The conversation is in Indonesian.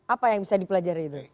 apa yang bisa dipelajari itu